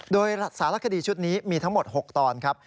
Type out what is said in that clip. โดยสารคดีชุดนี้มีทั้งหมด๖ตอนครับ